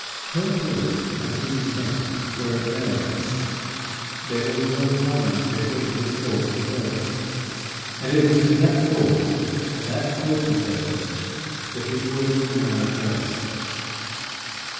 Her hope and his intent were at variance; there was no harmony between his thought and hers; and it was to that thought and that hope of hers that his words were now addressed.